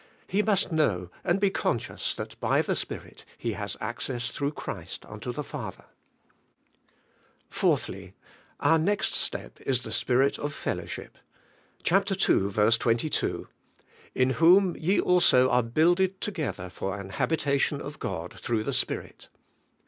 He must know, and be conscious that by the Spirit he has access through Christ unto the Father. 4. Our next step is the Spirit of fellozvship. 62 THE SPIRITUAI, I,IFK. Chap. 2:22. "In whom ye also are builded tog ether for an habitation of God through the Spirit."